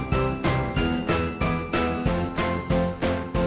มีความสุขในที่เราอยู่ในช่องนี้ก็คือความสุขในที่เราอยู่ในช่องนี้